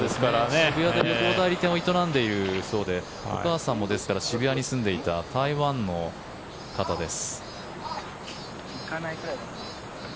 渋谷で旅行代理店を営んでいるそうでですからお母さんも渋谷に住んでいた台湾の方です。